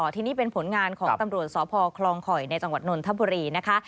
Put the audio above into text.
ทีนี้เป็นผลงานของตำรวจสพคลองข่อยในจังหวัดนนทบุรีนะคะ